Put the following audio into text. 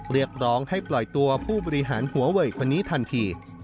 เรียกร้องให้ปล่อยตัวผู้บริหารหัวเวยคนนี้ทันที